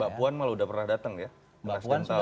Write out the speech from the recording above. mbak puan malah sudah pernah datang ya